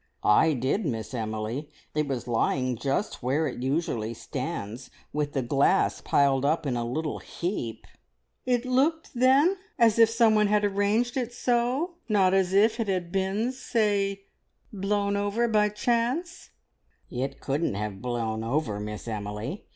"I did, Miss Emily. It was lying just where it usually stands, with the glass piled up in a little heap." "It looked, then, as if someone had arranged it so? Not as if it had been, say, blown over by any chance?" "It couldn't have blown over, Miss Emily!